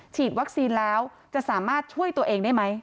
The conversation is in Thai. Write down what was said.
ฉีดวัคซีนแล้วจะสามารถช่วยตัวเองได้ไหม